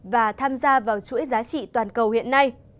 và tham gia vào chuỗi giá trị toàn cầu hiện nay